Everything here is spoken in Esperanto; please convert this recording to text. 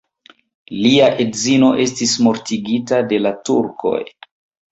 Lia edzino estis mortigita de la turkoj.